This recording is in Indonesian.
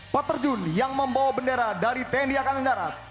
pater jun yang membawa bendera dari tni akan mendarat